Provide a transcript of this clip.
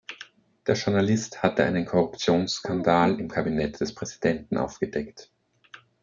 Der Journalist hatte einen Korruptionsskandal im Kabinett des Präsidenten aufgedeckt.